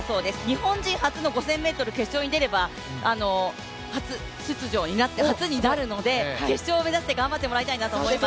日本人初の５０００ｍ決勝に出れば、初出場になって、初になるので、決勝を目指して頑張ってもらいたいなと思います。